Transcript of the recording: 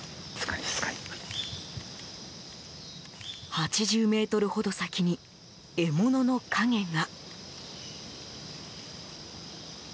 ８０ｍほど先に獲物の影が。